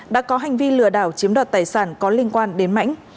đã có hành vi lừa đảo chiếm đoạt tài sản có liên quan đến mãnh